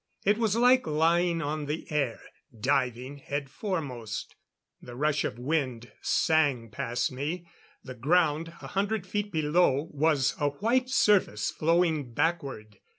It was like lying on the air, diving head foremost. The rush of wind sang past me; the ground, a hundred feet below, was a white surface flowing backward.